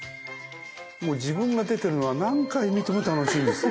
もう自分が出てるのは何回見ても楽しいです。